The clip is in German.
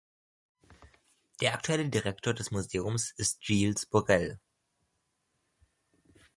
Der aktuelle Direktor des Museums ist Gilles Borel.